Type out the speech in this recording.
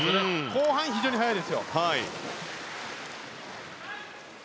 後半、非常に速いですよ。